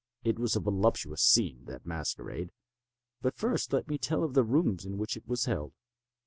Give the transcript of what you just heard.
It was a voluptuous scene, that masquerade. But first let me tell of the rooms in which it was held.